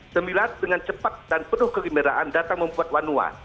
sembilan dengan cepat dan penuh kegembiraan datang membuat manual